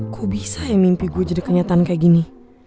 kok bisa ya mimpi gue jadi kenyataan kayak gini